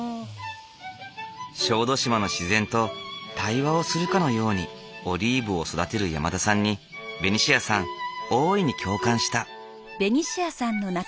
小豆島の自然と対話をするかのようにオリーブを育てる山田さんにベニシアさん大いに共感した。